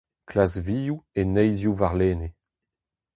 Klask vioù e neizhioù warlene.